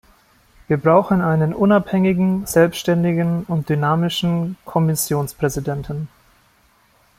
Wir brauchen einen unabhängigen, selbstständigen und dynamischen Kommissionspräsidenten.